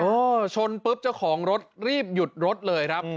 เออชนปุ๊บเจ้าของรถรีบหยุดรถเลยครับ